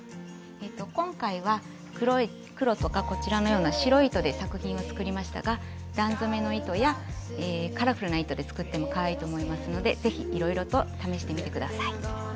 今回は黒とかこちらのような白い糸で作品を作りましたが段染めの糸やカラフルな糸で作ってもかわいいと思いますので是非いろいろと試してみて下さい。